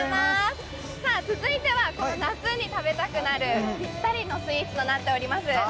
続いてはこの夏に食べたくなるぴったりのスイーツとなっております。